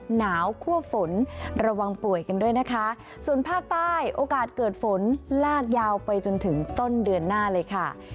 หนาวคั่วฝนระวังป่วยกันด้วยนะคะส่วนภาคใต้โอกาสเกิดฝนลากยาวไปจนถึงต้นเดือนหน้าเลยค่ะ